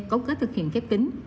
cấu kết thực hiện khép kính